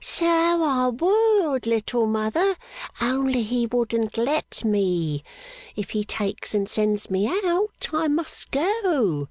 'So I would, Little Mother, only he wouldn't let me. If he takes and sends me out I must go.